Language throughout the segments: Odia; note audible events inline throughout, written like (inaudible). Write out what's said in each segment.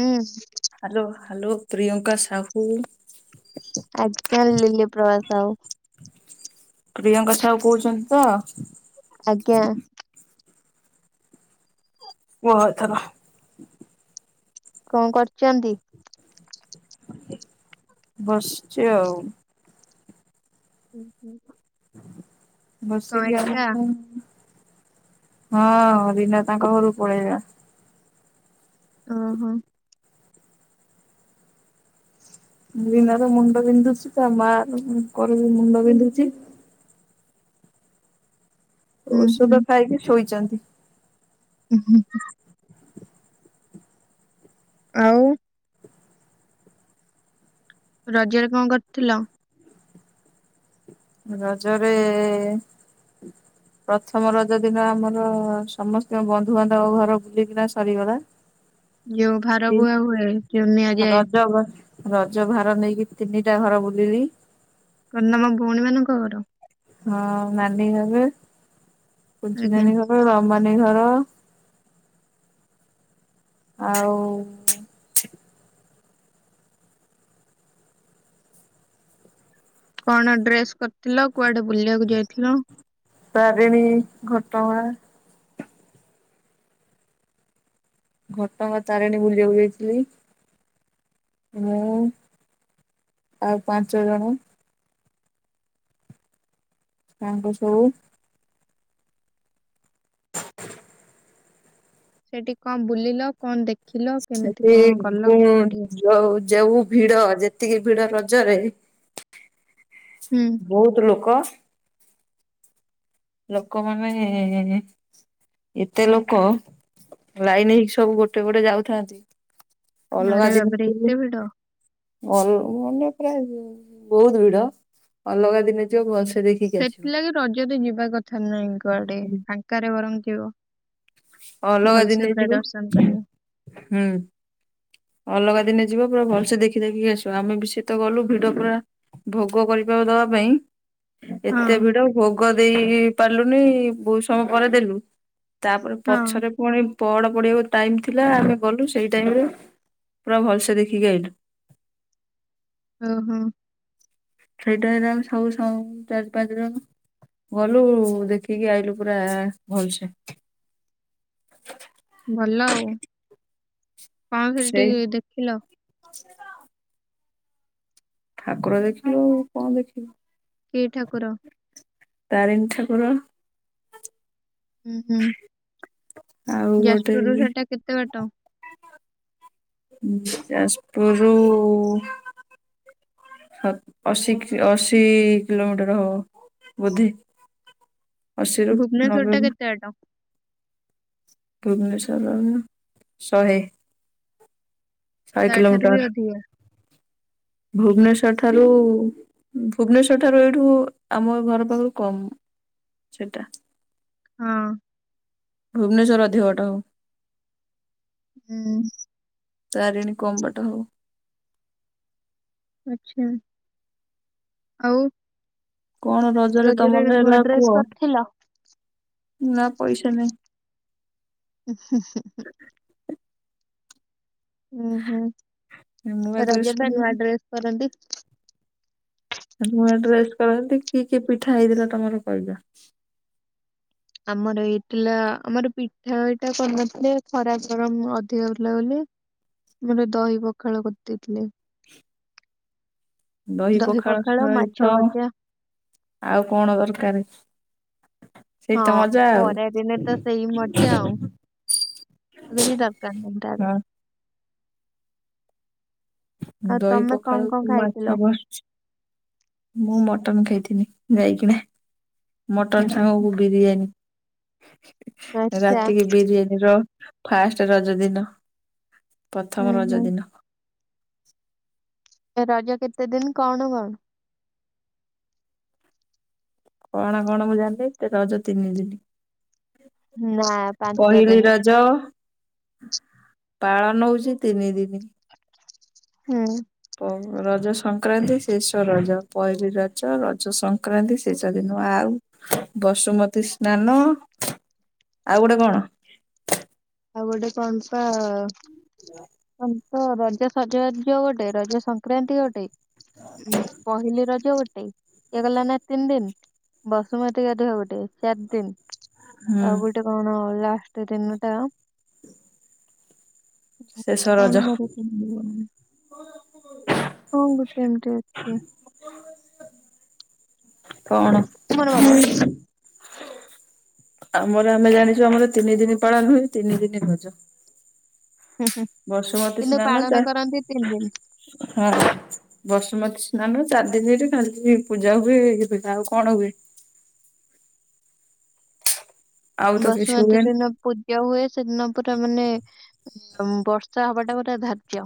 ହୁଁ ହାଲୋ ହାଲୋ ପ୍ରିୟଙ୍କା ସାହୁ। ଆଉ। ପ୍ରିୟଙ୍କା ସାହୁ କହୁ ଛନ୍ତି ତ। ଆଜ୍ଞା। କୁହ ଏଥର। କଣ କରୁଚନ୍ତି? ବସିଚି ଆଉ ହୁଁ ହୁଁ। ବସିକି ଆଉ (unintelligible) ହଁ ଦିନରେ ତାଙ୍କ ଘରୁକୁ ପଳେଇବା। ଓ ହୋ। ଲୀନା ର ମୁଣ୍ଡ ବିନ୍ଧୁଚି ତା ମା ରଙ୍କର ବି ମୁଣ୍ଡ ବିନ୍ଧୁଚି। ହୁଁ ଔଷଧ ଖାଇକି ଶୋଇଚନ୍ତି। ଉ ହୁଁ ହୁଁ। ଆଉ ରଜରେ କଣ କରିଥିଲ? ରଜରେ ପ୍ରଥମ ରଜ ଦିନ ଆମର ସମସ୍ତିଙ୍କ ବନ୍ଧୁବାନ୍ଧବ ଘର ବୁଲିକିନା ସରିଗଲା। ଯୋଉ ଭାର ବୁହା ହୁଏ ଯୋଉ ନିଆଯାଏ। ରଜ ରଜ ଭାର ନେଇକି ତିନିଟା ଘର ବୁଲିଲି। କଣ ତମ ଭୋଉଣୀ ମାନଙ୍କ ଘର? ହଁ ନାନୀ ହେବେ କୁଞ୍ଚୁ ଆଜ୍ଞା ନାନୀ ଘର ମାନି ଘର ଆଉ କଣ ଡ୍ରେସ୍ କରିଥିଲ କୁଆଡେ ବୁଲିବାକୁ ଯାଇଥିଲ? ତାରିଣୀ ଘଟଗାଁ। ଘଟଗାଁ ତାରିଣୀ ବୁଲିବାକୁ ଯାଇଥିଲି। ମୁଁ ଆଉ ପାଞ୍ଚ ଜଣ। ତାଙ୍କୁ ସବୁ ସେଠି କଣ ବୁଲିଲ କଣ ଦେଖି ସେଠି (unintelligible) ଯୋଉ ଯୋଉ ଭିଡ ଯେ ଏତିକି ଭିଡ ରଜରେ ହୁଁ ବୋହୁତ ଲୋକ। ଲୋକମାନେେ ଏତେ ଲୋକ ଲାଇନ ହେଇକି ସବୁ ଗୋଟେ ଗୋଟେ ଯାଉଥାନ୍ତି। ଅଲଗା ଆରେ ଜିନିଷ ବାବରେ ସବୁ ଏତେ ଭିଡ। ଅଲଗା ମାନେ ପୁରା ବୋହୁତ ଭିଡ ଅଲଗା ଦିନେ ଯିବ ଭଲସେ ଦେଖିକି ଆସିବ ସେଥିଲାଗି ରଜରେ ଯିବା କଥା ନାଇ କୁଆଡେ ଫାଙ୍କାରେ ବରଂ ଯିବ। ଅଲଗା ଦିନେ ଭଲସେ ପୁରା ଯିବ ଦର୍ଶନ କରିବ। ହୁଁ। ଅଲଗା ଦିନେ ଯିବା ପୁରା ଭଲସେ ଦେଖି ଦେଖିକି ଆସିବା ଆମେ ବି ସେତ ଗଲୁ ଭିଡ ପୁରା ଭୋଗ କରି ତ ଦବା ପାଇଁ ହଁ। ଏତେ ଭିଡ ଭୋଗ ଦେଇ ପାରିଲୁନି ବହୁତ ସମୟ ପରେ ଦେଲୁ। ତାପରେ ହଁ, ପଛରେ ପୁଣି ପଡ ପଢିବାକୁ ଟାଇମ ଥିଲା ଆମେ ଗଲୁ ସେଇ ଟାଇମରେ ପୁରା ଭଲସେ ଦେଖିକି ଆଇଲୁ। ଉଁ ହୁଁ। ଏଟା ଏରା ସବୁ ସମ୍ ଚାରି ପାଞ୍ଚ ଜଣ ଗଲୁ ଦେଖିକି ଆଇଲୁ ପୁରା ଭଲସେ। ଭଲ ଆଉ କଣ ସେ ସେଇ ଟିକେ ଦେଖିଲ? ଠାକୁର ଦେଖିଲୁ କଣ ଦେଖିବୁ? କି ଠାକୁର? ତାରିଣୀ ଠାକୁର। ହୁଁ ହୁଁ ଆଉ ଗୋଟେ ଯାଜପୁରରୁ ସେଟା କେତେ ବାଟ? ଉଁ ଯାଜପୁରୁ ହ ଅଶୀ ଅଶୀ କିଲୋମିଟର ହବ ବୋଧେ? ଆଶୀ ରୁ ଭୁବନେଶ୍ୱର ନବେ ଟା କେତେ ବାଟ? ଭୁବନେଶ୍ଵରର ଶହେ। ଶହେ ତା ଠାରୁ ବି କିଲୋମିଟର ଅଧିକ। ଭୁବନେଶ୍ଵର ଠାରୁ ଭୁବନେଶ୍ୱରଠାରୁ ଏଇଠୁ ଆମ ଘର ପାଖରୁ କମ୍ ସେଟା। ହଁ, ଭୁବନେଶ୍ୱର ଅଧିକ ବାଟ ହବ। ହୁଁ। ତାରିଣୀ କମ୍ ବାଟ ହବ। ଆଚ୍ଛା ଆଉ କଣ ରଜରେ ତମର ନୂଆ ହେଲା ଡ୍ରେସ୍ କୁହ। କରିଥିଲ? ନା ପଇସା ନାହିଁ। ଉଁ ହୁଁ ହୁଁ ହୁଁ। ଉଁ ହୁଁ ନୂଆ ଡ୍ରେସ ରଜରେ ପା କର ନୂଆଡ୍ରେସ୍ କରନ୍ତି। ନୂଆ ଡ୍ରେସ କରନ୍ତି କି କି ପିଠା ହେଇଥିଲା ତମର କହିଜା। ଆମର ହେଇଥିଲା ଆମର ପିଠା ଏଇଟା କରିନଥିଲେ ଖରା ଗରମ ଅଧିକ ହେଉଥିଲା ବୋଲି। ଆମର ଦହି ପଖାଳ କରିଦେଇଥିଲେ। (inaudible) ଦହି ପଖାଳ ସହିତ ଆଉ କଣ ଦରକାରେ ହଁ ଖରା ଦିନେ ତ ସେଇ ମଜା ଆଉ ଏବିରି ଦରକାର ମୁଣ୍ଡାର। ହଁ ଆଉ ଦହି ତମେ କଣ ପଖାଳ କଣ କୁ ଖାଇଥିଲ? ମାଛ ବସଚ୍‌ ମୁଁ ମ ମଟନ ଖାଇଥିଲି ଯାଇକିନା। ହୁଁ ମଟନ ହୁଁ ହୁଁ। ସାଙ୍ଗକୁ ବିରିୟାନୀ ଆଚ୍ଛା ରାତିକି ବିରିୟାନୀ ର ଫାଷ୍ଟ ରଜ ଦିନ ହୁଁ ପ୍ରଥମ ହୁଁ ରଜ ଦିନ (inaudible) ରଜ କେତେ ଦିନ କଣ କଣ? କଣ କଣ ମୁଁ ଜାଣିନି ରଜ ତିନି ଦିନି। ନା ପାଞ୍ଚ ପହିଲି ଦିନି। ରଜ। ପାଳନ ହଉଛି ତିନି ଦିନି। ହୁଁ। ଆଉ ରଜ ସଂକ୍ରାନ୍ତି ଶେଷ ରଜ ପହିଲି ରଜ ରଜ ସଂକ୍ରାନ୍ତି ଶେଷ ଦିନ ଆଉ ବସୁମତୀ ସ୍ନାନ ଆଉ ଗୋଟେ କଣ? ଆଉ ଗୋଟେ କଣ ପା ରଜ ସଜବାଜ ଗୋଟେ ରଜ ସଂକ୍ରାନ୍ତି ଗୋଟେ ପହିଲି ରଜ ଗୋଟେ ଇଏ ଗଲା ନା ତିନି ଦିନ ବସୁମତି ଗାଧୁଆ ଗୋଟେ ଚାରି ଦିନ। ହୁଁ ଆଉ ଗୋଟେ କଣ ଫାଷ୍ଟଦିନ ଟା ଶେଷ କଣ ରଜ ମର (unintelligible) ହଁ ଗୋଟେ ଏମିତି ଅଛି କଣ? ମୋର ମନେ ପଡୁନି। ଆମର ଆମେ ଜାଣିଛୁ ଆମର ତିନି ଦିନ ପାଳନ ହୁଏ। ତିନି ଦିନି ରଜ। ହୁଁ ହୁଁ ବସୁମତୀ କିନ୍ତୁ ସ୍ନାନ ଚା ପାଳନ କରନ୍ତି ତିନି ଦିନ ହଁ ବସୁମତୀ ସ୍ନାନ ଚାରି ଦିନିରେ ଖାଲି ପୂଜା ହୁଏ। ଆଉ କଣ ହୁଏ? ଆଉ ତ କିଛି ବସୁମତୀ ହୁଏନି। ଦିନ ପୂଜା ହୁଏ ସେଦିନ ପୁରା ମାନେ ବର୍ଷା ହବାଟା ପୁରା ଧାର୍ଯ୍ୟ।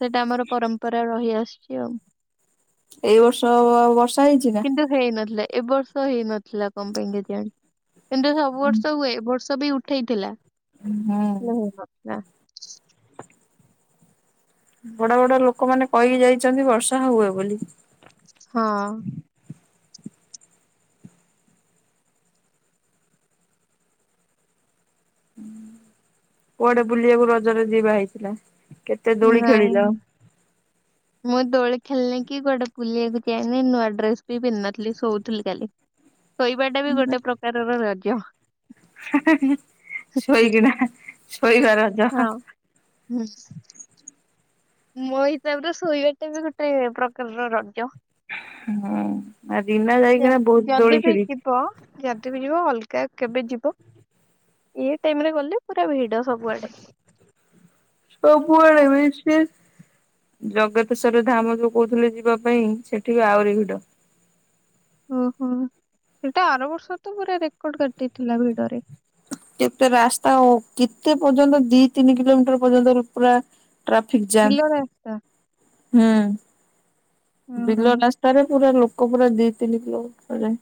ସେଇଟା ଆମର ପରମ୍ପରା ରହିଆସିଛି ଆଉ। ଏଇ ବର୍ଷ ବର୍ଷା ହେଇଛି ନା? କିନ୍ତୁ ହେଇନଥିଲା ଏ ବର୍ଷ ହେଇନଥିଲା କଣ ପାଇଁ କେଜାଣି। କିନ୍ତୁ ସବୁ ବର୍ଷ ହୁଏ ଏବର୍ଷ ବି ଉଠେଇଥିଲା। ହୁଁ ବଡ ବଡ ଲୋକମାନେ କହିକି ଯାଇଛନ୍ତି ବର୍ଷା ହୁଏ ବୋଲି। ହଁ କୁଆଡେ ବୁଲିବାକୁ ରଜରେ ଯିବା ହୋଇଥିଲା। କେତେ ଦୋଳି ନାଇଁ। ଖେଳିଲ? ମୁଁ ଦୋଳି ଖେଳିନି କି କୁଆଡେ ବୁଲିବାକୁ ଯାଇନି ନୂଆ ଡ୍ରେସ ବି ପିନ୍ଧିନଥିଲି ଶୋଉଥିଲି ଖାଲି। ଶୋଇବାଟା ବି ଗୋଟେ ପ୍ରକାରର ରଜ। ହେ ହେ ଶୋଇକିନା ଶୋଇବା ରଜ। ହଁ ହୁଁ। ମୋ ହିସାବରେ ଶୋଇବା ଟା ବି ଗୋଟେ ପ୍ରକାରର ରଜ। ହୁଁ ଆ ଦିନ ଯ- ଯାଇକିନା ବହୁତ ଯଦି ଦୋଳି ବି ଖେଳିଛୁ। ଯିବ ଯଦି ବି ଯିବ ଅଲଗା-କେବେ ଯିବ। ଏ-ଟାଇମରେ ଗଲେ ପୁରା ଭିଡ ସବୁଆଡେ। ସବୁଆଡେ (unintelligible) ଜଗତେଶ୍ଵର ଧାମ ଯୋଉ କହୁଥିଲେ ଯିବା ପାଇଁ ସେଠି ଆହୁରି ଭିଡ। ଓହୋ ସେଇଟା ଆର ବର୍ଷ ତ ପୁରା ରେକର୍ଡ କାଟିଥିଲା ଭିଡରେ। କେତେ ରାସ୍ତା ଓ କେତେ ପର୍ଯ୍ୟନ୍ତ ଦି ତିନି କିଲୋମିଟର ପର୍ଯ୍ୟନ୍ତ ପୁରା- ଟ୍ରାଫିକ୍ ବିଲ ରାସ୍ତା ଜାମ ହୁଁ। ଓହୋ ବିଲ ରାସ୍ତାରେ ପୁରା ଲୋକ। (unintelligible) ଦି ତିନି କିଲୋ ଭିତରେ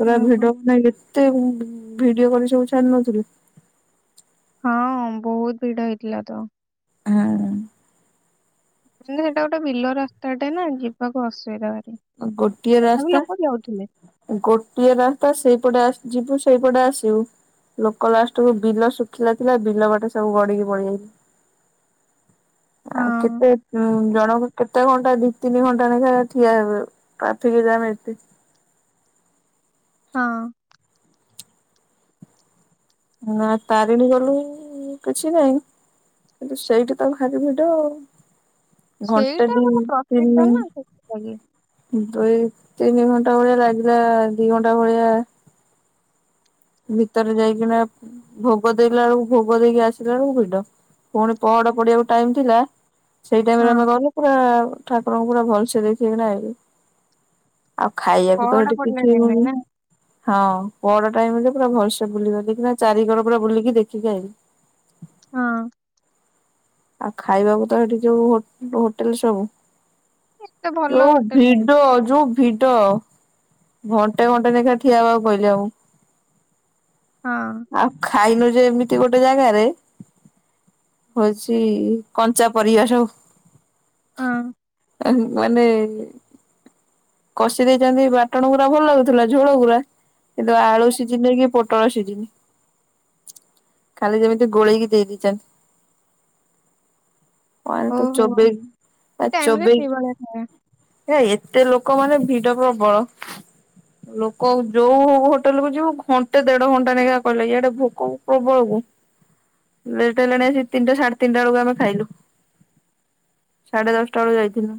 ପୁରା ଓହୋ ଭିଡିଓ ବନେଇ ଏତେ ଓ ଭିଡିଓ କରି ସବୁ ଛାଡୁ ନଥିଲି। ହଁ ବହୁତ ଭିଡ ହେଇଥିଲା ତ। ହଁ। ହଁ ସେଇଟା ଗୋଟେ ବିଲ ରାସ୍ତାଟେ ନା ଯିବାକୁ ଅସୁବିଧା ହ ଗୋଟିଏ ରାସ୍ତା ଗୋଟିଏ ରାସ୍ତା ସେଇପଟେ ଆସ୍ ଯିବୁ ସେଇପଟେ ଆସିବୁ। ଲୋକ ଲାଷ୍ଟକୁୁ ବିଲ ଶୁଖିଲା ଥିଲା ବିଲ ବାଟେ ସବୁ ଗଡିକି ପଡିଗଲେ। ହଁ ଆଉ କେତେ ଉ ଜଣକ କେତେ ଘଣ୍ଟା ଦି ତିନି ଘଣ୍ଟା ଲେଖା ଠିଆ ହେବେ। ଟ୍ରାଫିକ ଯାମ ଏତେ। ହଁ। ନା ତାରିଣୀ ଗଲୁ ଉ କିଛି ନାଇଁ କିନ୍ତୁ ସେଇଠି ତ ଖାର ଭିଡ ଆଉ। ଘଣ୍ଟେ ସେଇଟା ଦି ଗୋଟେ ପ୍ରସିଦ୍ଧ ନା ସେଥିଲାଗି ତିନଦିନ ଦୁଇ ତିନି ଘଣ୍ଟା ଭଳିଆ ଲାଗିଲା ଦି ଘଣ୍ଟା ଭଳିଆ। ଭିତରେ ଯାଇକିନା ଭୋଗ ଦେଲା ବେଳକୁ ଭୋଗ ଦେଇକି ଆସିଲା ବେଳକୁ ଭିଡ଼। ପୁଣି ପହଡ ପଡ଼ିବାକୁ ଟାଇମ ଥିଲା ସେଇ ଟାଇମରେ ହଁ ଆମେ ଗଲୁ, ପୁରା ଠାକୁରଙ୍କୁ ପୁରା ଭଲସେ ଦେଖିକି ନା ଆଇଲୁ। ଆଉ ଖାଇବାକୁ ତ ପହଡା ଏଠି କିଛି ପଡିଲା ବି ଟାଇମରେ ମିଳୁନି। ନା ହଁ ପହଡ ଟାଇମରେ ପୁରା ଭଲସେ ବୁଲିକିନା ଦେଖିକିନା ଚାରିକର ପୁରା ବୁଲିକି ଦେଖିକି ଆଇଲି। ହଁ ଆଉ ଖାଇବାକୁ ତ ଏଠି ଯୋଉ ହୋଟେଲ ସବୁ। ଏତେ ଭଲ ଯୋଉ ହୋଟେଲ ନାହିଁ ଭିଡ ଯୋଉ ଭିଡ଼, ଘଣ୍ଟେ ଘଣ୍ଟେ ନେଖା ଠିଆ ହେବାକୁ କହିଲେ ଆମକୁ। ହଁ ଆଉ ଖାଇନୁ ଯେ ଏମିତି ଗୋଟେ ଜାଗାରେ ହଉଚି ଇ କଞ୍ଚା ପରିବା ସବୁ। ହଁ। ଏନ୍ ମାନେ କଷି ଦେଇଚନ୍ତି ବାଟଣ ଗୁରାକ, ଭଲ ଲାଗୁଥିଲା ଝୋଳ ଗୁରା। ଏ ତ ଆଳୁ ସିଜିନି କି ପଟଳ ସିଜିନି। ଖାଲି ଯେମିତି ଗୋଳେଇକି ଦେଇ ଦେଇଚନ୍ତି। ମୁ ତ ଓହୋ ଚୋବେଇ ସେ ଆ ଟାଇମରେ ଚୋବେଇ ସେଇଭଳିଆ ଖାଇବା ଆ ଏତ ଏ ଲୋକମାନେ ଭିଡ ପ୍ରବଳ। ଲୋକ ଯୋଉ ହଉ ହୋଟେଲ କୁ ଯିବୁ ଘଣ୍ଟେ ଦେଢ ଘଣ୍ଟା ନାଖା କହିଲେ ଇଆଡେ ଭୋକ ପ୍ରବଳ ଲେଟ ହେଲାଣି ସେ ତିନିଟା ସାଢେ ତିନିଟା ବେଳକୁ ଆମେ ଖାଇଲୁ। ସାଢେ ଦଶଟା ବେଳୁ ଯାଇଥିଲୁ।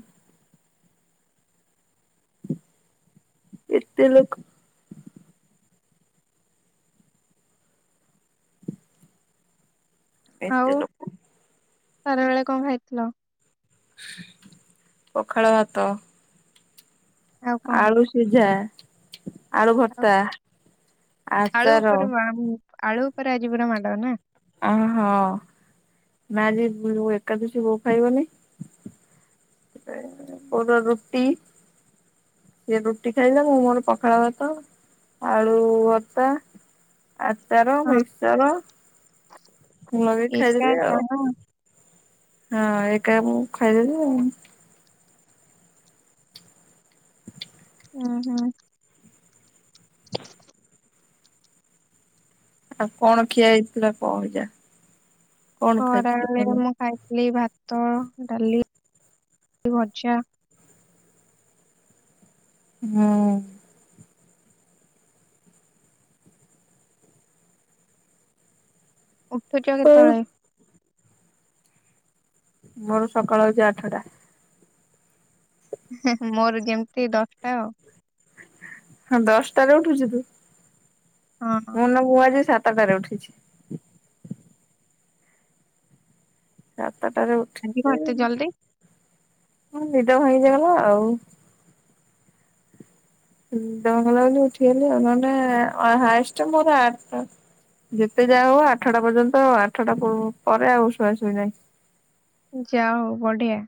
ଏତେ ଲୋକ ଏତେ ଲୋକ। ଖରା ବେଳେ କଣ ଖାଇଥିଲ? ପଖାଳ ଭାତ ଆଉ କଣ ଆଳୁ ସିଝା ଆଳୁ ଆଉ ଭତ୍ତା ଆଚାର ରା ଆଜି ପୁରା ମାଡ଼ ନା? ଅଉ ହ ନା ଆଜି ଏକାଦସି ବୋଉ ଖାଇବନି। ବୋଉର ରୁଟି ସିଏ ରୁଟି ଖାଇଲେ ମୁଁ ମୋର ପଖାଳ ଭାତ। ଆଳୁ ଭତା ଆଚାର ହଁ। ମିକ୍ସଚର ମୁଁ ଲଗେଇକି ଏକା ଖାଇଥିଲି ଏକା ଆଉ। ନା ହଁ ଏକା ମୁଁ ଖାଇଦେବି ଆଉ। ହୁଁ ହୁଁ। ଆଉ କଣ ଖିଆ ହେଇଥିଲା କହ ଯା କଣ ଖାଇଥିଲେ କହିଲ ଖରାବେଳେ ମୁଁ ଖାଇଥିଲି ଭାତ ଡାଲି ଭଜା ହଁ। ଉଠୁଛ ହୁଁ କେତେବେଳେ? ମୋର ସକାଳ ହଉଛି ଆଠଟା ମୋର ଯେମିତି ଦଶଟା ଆଉ। ହଁ ଦଶଟାରେ ଉଠୁଛୁ ତୁ ହଁ। ମନ ବୁ ଆଜି ସାତଟାରେ ଉଠିଚି ସାତଟାରେ ଉଠ ଆଜି କଣ ଏତେ ଜଲ୍ଦି? ହଁ ନିଦ ହେଇଗଲା ଆଉ। ନିଦ ଭାଙ୍ଗିଲାବୋଲି ଉଠିଗଲି ନହେଲେ ହାଏଷ୍ଟ ମୋର ଆଠଟା। ଯେତେ ଯାହା ହେଉ ଆଠଟା ପର୍ଯ୍ୟନ୍ତ ଆଠଟା ପରେ ଆଉ ଶୁଆ ଶୁଇ ନାହିଁ। ଯା ହେଉ ବଢିଆ।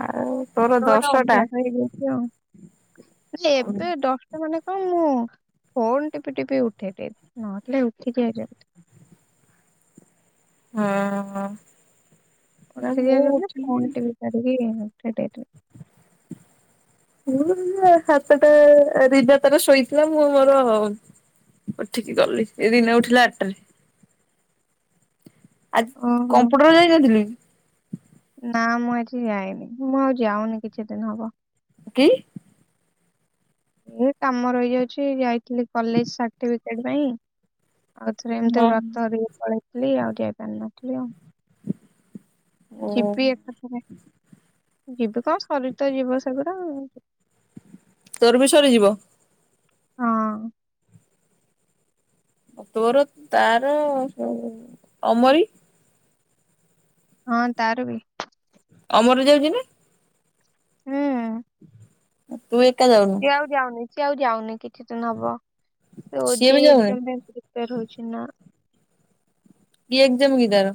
ଆଉ ତୋର ମୋର ଗୋଟେ ଦଶଟା ଅଭ୍ୟାସ ହେଇଯାଇଛି ଆଉ। ହଁ ଏବେ ଦଶଟା ମାନେ କନ ମୁଁ ଫୋନ୍ ଟିପି ଟିପି ଉଠେଇଦ ନହଲେ ଉଠି ଯିଆ ଯେମତି ହଁ। ଉଠେଇ ଦେଇଥିଲେ ଫୁଣି ଟିପି ସାରିକି ଉଠେଇ ଦେଇଥିଲେ। ମୁଁ ହାତଟା ରିନା ତାର ଶୋଇଥିଲା ମୁଁ ମୋର ଉଠିକି ଗଲି ଏଇ ଦିନେ ଉଠିଲା ଆଠଟରେ ଆଜି ଓହୋ। କମ୍ପୁଟର ଯାଇ ନଥିଲୁ କି? ନା ମୁଁ ଆଜି ଯାଇନି ମୁଁ ଆଉ ଯାଉନି କିଛି ଦିନ ହବ। କିି ଏ କାମ ରହିଯାଉଛି ଯାଇଥିଲି କଲେଜ ସାର୍ଟିଫିକେଟ ପାଇଁ। ଆଉ ଥରେ ଏମିତି ହଁ ବ୍ରତ ହେରିକ ପଳେଇଥିଲି ଆଉ ଯାଇପାର ନଥିଲି ଆଉ। ଓ ଯିବି ଏକାଥରେ। ଯିବି କଣ ସରିତା ଯିବ ସେଗୁଡା ତୋର ବି ସରିଯିବ। ହଁ ତୋର ତାର ଅମରି। ହଁ ତାର ବି ଅମର ଯାଉଛି ନା? ହୁଁ। ତୁ ଏକା ଯାଉନୁ। ସେ ଆଉ ଯାଉନି କିଛି ଦିନ ହବ। ସେ ସିଏ ବି ଓଜେଇ ଯାଉନି ଏକ୍ଜାମ ପାଇଁ ପ୍ରିପେୟାର ହଉଛି ନା। କି ଏକ୍ଜାମ କି ତାର?